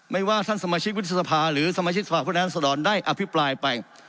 ไม่ว่าท่านสมาชิกวิทยาศาสตร์ภาคหรือสมาชิกภาคพฤนธนศาสตร์ได้อภิปรายไป